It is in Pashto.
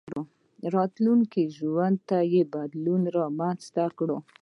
راتلونکي ژوند ته بدلون رامنځته کړئ.